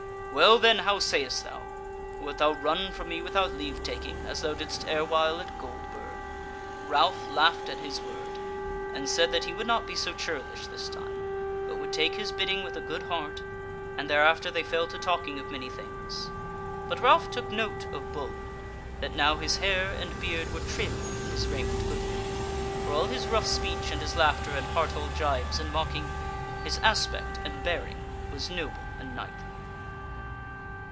Well then, how sayest thou? Or wilt thou run from me without leave taking, as thou didst ere while at Goldburg?" Ralph laughed at his word, and said that he would not be so churlish this time, but would take his bidding with a good heart; and thereafter they fell to talking of many things. But Ralph took note of Bull, that now his hair and beard were trim and his raiment goodly, for all his rough speech and his laughter and heart whole gibes and mocking, his aspect and bearing was noble and knightly.